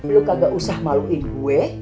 lu kagak usah maluin gue